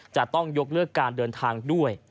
จะต้องยกเลิกการเดินทางด้วย